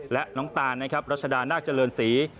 และน้องตานนะครับรัชดานาคเจริญศรี